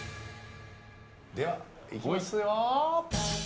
ではいきますよ。